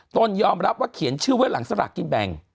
ตนยอมรับว่าเขียนชื่อไว้หลังสลากกินแบ่ง